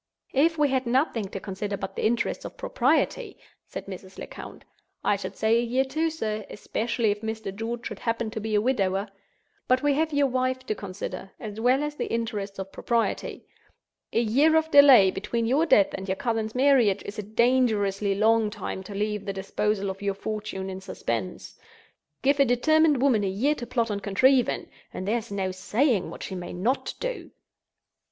"If we had nothing to consider but the interests of Propriety," said Mrs. Lecount, "I should say a year too, sir—especially if Mr. George should happen to be a widower. But we have your wife to consider, as well as the interests of Propriety. A year of delay, between your death and your cousin's marriage, is a dangerously long time to leave the disposal of your fortune in suspense. Give a determined woman a year to plot and contrive in, and there is no saying what she may not do."